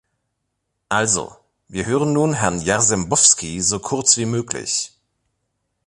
Also, wir hören nun Herrn Jarzembowski so kurz wie möglich.